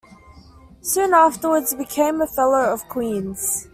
Soon afterwards he became a Fellow of Queen's.